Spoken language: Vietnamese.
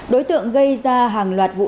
đối tượng gây ra hàng loạt vụ